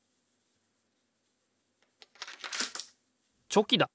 チョキだ！